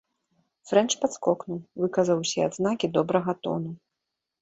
Фрэнч падскокнуў, выказаў усе адзнакі добрага тону.